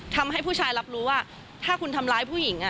เพราะว่าถ้าคุณทำร้ายผู้หญิง